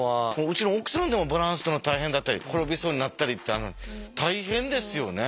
うちの奥さんでもバランス取るの大変だったり転びそうになったりってあるのに大変ですよね。